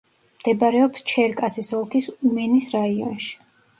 მდებარეობს ჩერკასის ოლქის უმენის რაიონში.